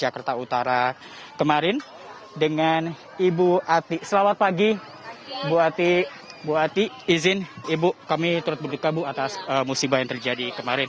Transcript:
jakarta utara kemarin dengan ibu ati selamat pagi bu ati izin ibu kami turut berduka bu atas musibah yang terjadi kemarin